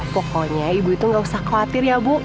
pokoknya ibu itu nggak usah khawatir ya bu